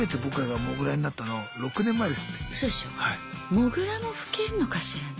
モグラも老けんのかしらね。